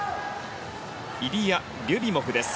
イリア・リュビモフです。